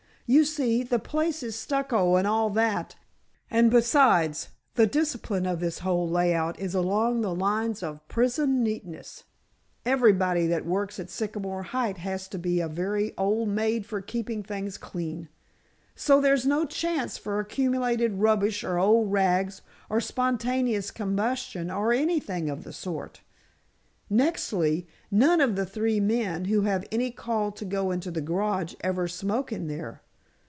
You see, the place is stucco and all that, and besides the discipline of this whole layout is along the lines of p'ison neatness! Everybody that works at Sycamore Ridge has to be a very old maid for keeping things clean! So, there's no chance for accumulated rubbish or old rags or spontaneous combustion or anything of the sort. Nextly, none of the three men who have any call to go into the garage ever smoke in there.